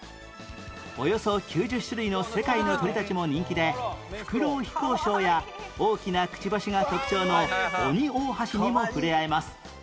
およそ９０種類の世界の鳥たちも人気でフクロウ飛行ショーや大きなくちばしが特徴のオニオオハシにも触れ合えます